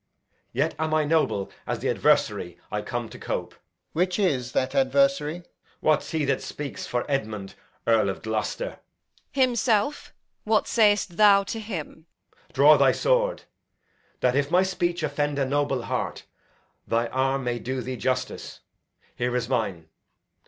Yet am I noble as the adversary I come to cope. Alb. Which is that adversary? Edg. What's he that speaks for Edmund Earl of Gloucester? Edm. Himself. What say'st thou to him? Edg. Draw thy sword, That, if my speech offend a noble heart, Thy arm may do thee justice. Here is mine.